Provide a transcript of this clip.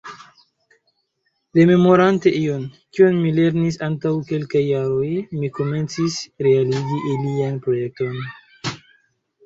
Rememorante ion, kion mi lernis antaŭ kelkaj jaroj, mi komencis realigi alian projekton.